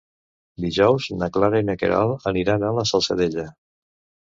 Dijous na Clara i na Queralt aniran a la Salzadella.